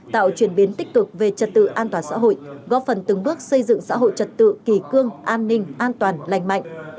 tạo chuyển biến tích cực về trật tự an toàn xã hội góp phần từng bước xây dựng xã hội trật tự kỳ cương an ninh an toàn lành mạnh